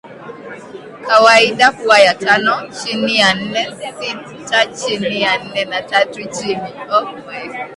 kawaida huwa ya tano chini ya nne sita chini ya nne na tatu chini